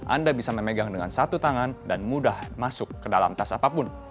anda bisa memegang dengan satu tangan dan mudah masuk ke dalam tas apapun